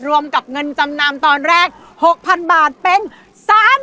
รวมกับเงินจำนำตอนแรก๖๐๐๐บาทเป็น๓๐๐๐